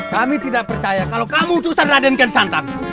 kami tidak percaya kalau kamu utusan raden kiyosantang